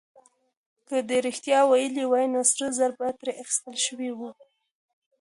که ده رښتيا ويلي وای، نو سره زر به ترې اخيستل شوي وو.